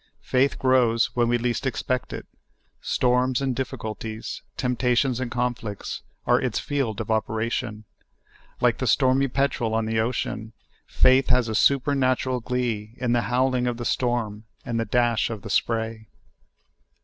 Faith grows when we least expect it ; storms and difficulties, temptations and conflicts, are its field of operation ; like the storni}^ petrel on the ocean, 36 SOUL FOOD. faith has a supernatural glee in the howling of the storm and the dash of the spray.